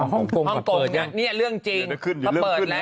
ห้องกงเนี่ยเรื่องจริงเขาเปิดแล้ว